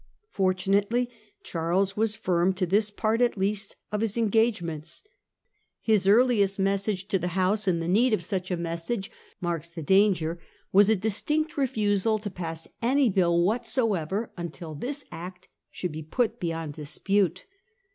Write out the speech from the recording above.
Fortu nately Charles was firm to this part at least of his en gagements. His earliest message to the House — and the need of such a message marks the danger — was a distinct refusal to pass any bill whatsoever until this Act should be put beyond dispute.